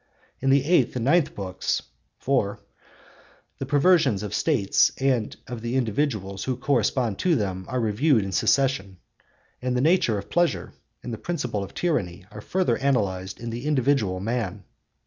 In the eighth and ninth books (4) the perversions of States and of the individuals who correspond to them are reviewed in succession; and the nature of pleasure and the principle of tyranny are further analysed in the individual man.